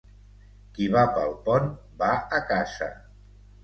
Qui va pel pont, va a casa.